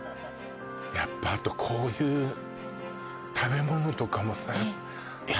やっぱあとこういう食べ物とかもさええ